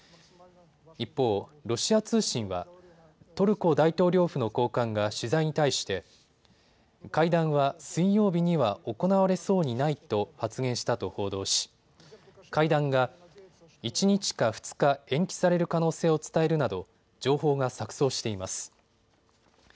一方、ロシア通信はトルコ大統領府の高官が取材に対して会談は水曜日には行われそうにないと発言したと報道し会談が１日か２日延期される可能性を伝えるなど情報が錯そうしています。